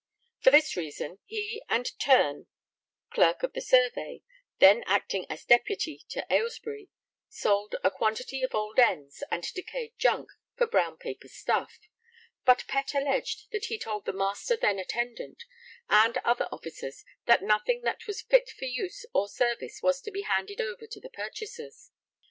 For this reason, he and Terne, Clerk of the Survey, then acting as deputy to Aylesbury, sold 'a quantity of old ends and decayed junk for brown paper stuff,' but Pett alleged that he told the 'Master then attendant' and other officers that nothing that was fit for use or service was to be handed over to the purchasers.